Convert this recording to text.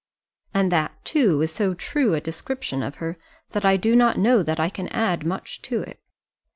And that, too, is so true a description of her, that I do not know that I can add much to it.